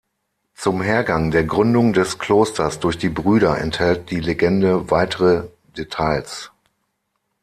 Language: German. Zum Hergang der Gründung des Klosters durch die Brüder enthält die Legende weitere Details.